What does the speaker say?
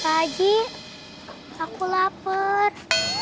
pak haji aku lapar